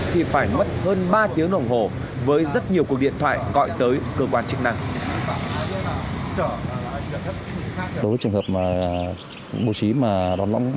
thì phải mất hơn ba tiếng đồng hồ với rất nhiều cuộc điện thoại gọi tới cơ quan chức năng